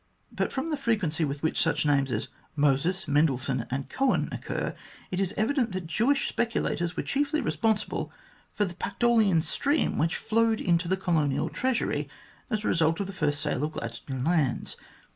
But from the frequency with which* such names as Moses, Mendelson, and Cohen occur, it is evident that Jewish speculators were chiefly responsible for the Pactolian stream that flowed into the Colonial Treasury as a result of the first sale of Gladstone lands.